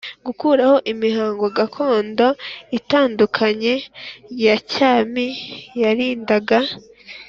Gukuraho imihango gakondo itandukanye ya cyami yarindaga